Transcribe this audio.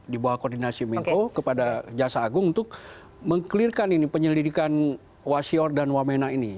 di bawah koordinasi menko kepada jaksagung untuk mengkelirkan ini penyelidikan wasi ordan wamena ini